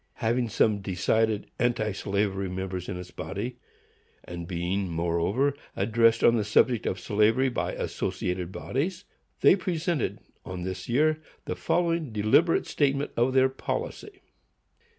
Having some decided anti slavery members in its body, and being, moreover, addressed on the subject of slavery by associated bodies, they presented, on this year, the following deliberate statement of their policy.